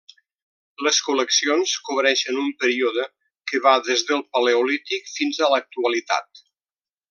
Les col·leccions cobreixen un període que va des del Paleolític fins a l'actualitat.